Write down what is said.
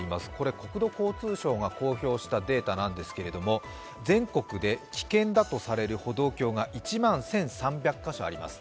国土交通省が公表したデータなんですけど、全国で危険だとされる歩道橋が１万１３００カ所あります。